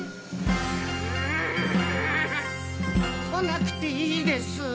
来なくていいです。